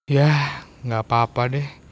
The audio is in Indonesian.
yah gak apa apa deh